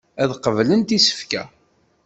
Ad qeblent isefka.